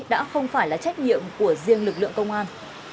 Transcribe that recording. đã không phải là trách nhiệm của riêng lực lượng công an